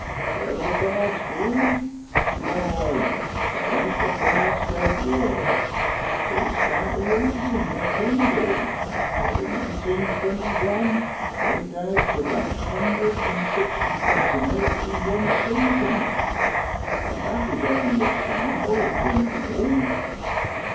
Where are the bards gone ? Why, theer ain't the bards there was. Du it stand tu reason theer can be when in 1821 my dad took a hundred an 1 sixty dozen eggs in one season ? And that was only a sample of plenty more.